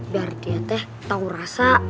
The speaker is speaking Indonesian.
biar dia teh tau rasa